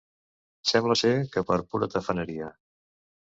Sembla ser que per pura tafaneria.